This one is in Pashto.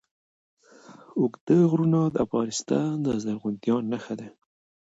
اوږده غرونه د افغانستان د زرغونتیا نښه ده.